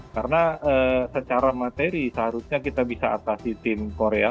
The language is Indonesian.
karena secara materi seharusnya kita bisa atasi tim korea